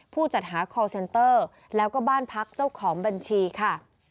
จัดหาคอลเซนเตอร์แล้วก็บ้านพักเจ้าของบัญชีค่ะ